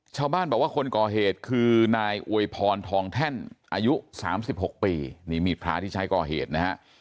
ชาวบ้านบอกว่าคนก่อเหตุคือนายอวยพรทองแท่นอายุ๓๖ปีนี่มีดพระที่ใช้ก่อเหตุนะฮะ